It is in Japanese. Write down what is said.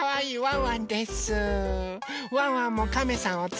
ワンワンもカメさんをつくりました！